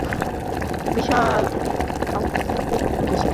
বিশাল ধ্বংসস্তূপ থেকে শেষ পর্যন্ত শান্তির দূত হয়ে আবির্ভাব ঘটবে দেবী দুর্গার।